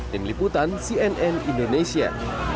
tim liputan cnn indonesia